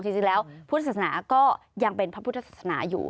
จริงแล้วพุทธศาสนาก็ยังเป็นพระพุทธศาสนาอยู่